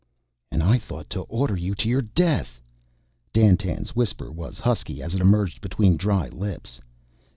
"And I thought to order you to your death." Dandtan's whisper was husky as it emerged between dry lips.